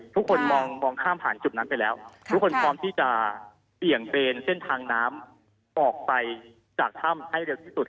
ทุกคนมองข้ามผ่านจุดนั้นไปแล้วทุกคนพร้อมที่จะเบี่ยงเบนเส้นทางน้ำออกไปจากถ้ำให้เร็วที่สุด